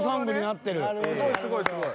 すごいすごいすごい。